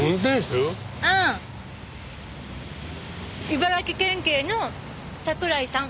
茨城県警の桜井さん。